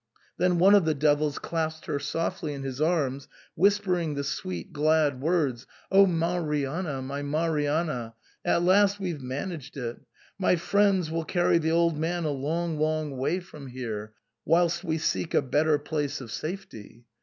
Then one of the devils clasped her softly in his arms, whispering the sweet glad words, " O Marianna ! my Marianna ! At last we've managed it ! My friends will carry the old man a long, long way from here, whilst we seek a better place of safety."